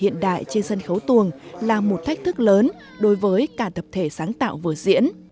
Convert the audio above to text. hiện đại trên sân khấu tuồng là một thách thức lớn đối với cả tập thể sáng tạo vở diễn